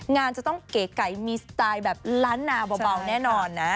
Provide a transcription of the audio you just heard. งานจะต้องเก๋ไก่มีสไตล์แบบล้านนาเบาแน่นอนนะ